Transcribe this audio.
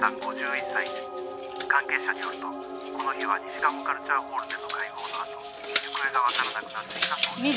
「関係者によるとこの日は西賀茂カルチャーホールでの会合のあと行方がわからなくなっていたそうです」